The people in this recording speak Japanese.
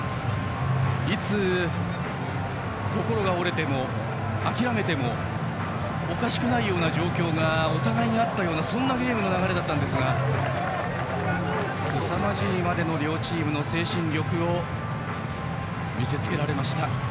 いつ心が折れても、諦めてもおかしくないような状況がお互いにあったようなゲームの流れだったんですがすさまじいまでの両チームの精神力を見せ付けられました。